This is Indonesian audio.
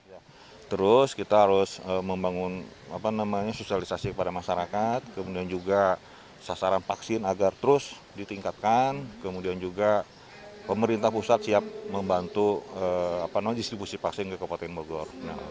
ya terus kita harus membangun sosialisasi kepada masyarakat kemudian juga sasaran vaksin agar terus ditingkatkan kemudian juga pemerintah pusat siap membantu distribusi vaksin ke kabupaten bogor